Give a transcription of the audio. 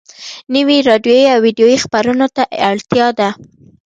نويو راډيويي او ويډيويي خپرونو ته اړتيا ده.